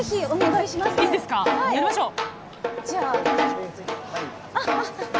やりましょう！